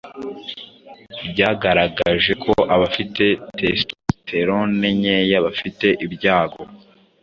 bwagaragaje ko abafite testosterone nkeya bafite ibyago